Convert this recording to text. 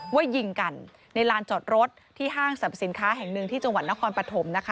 ยิงกันในลานจอดรถที่ห้างสรรพสินค้าแห่งหนึ่งที่จังหวัดนครปฐมนะคะ